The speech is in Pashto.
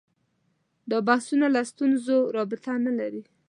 دا بحثونه له ستونزو رابطه نه لري